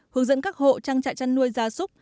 hướng dẫn các hộ trang trại chăn nuôi gia súc